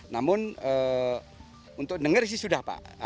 namun untuk dengar sih sudah pak